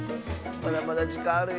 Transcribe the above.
まだまだじかんあるよ。